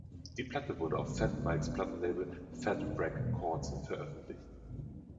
Die Platte wurde auf Fat Mikes Plattenlabel Fat Wreck Chords veröffentlicht.